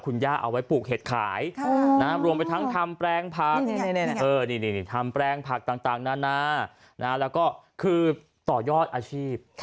คุณย่าเอาไว้ปลูกเห็ดขายรวมไปทั้งทำแปลงผักทำแปลงผักต่างนานาแล้วก็คือต่อยอดอาชีพ